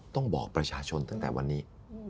ต้องบอกประชาชนตั้งแต่วันนี้